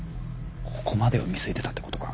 ここまでを見据えてたってことか？